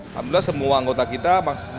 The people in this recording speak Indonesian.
alhamdulillah semua anggota kita